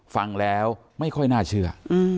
ฟังแล้วไม่ค่อยน่าเชื่อ